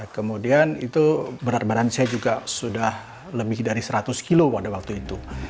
kemudian itu berat badan saya juga sudah lebih dari seratus kilo pada waktu itu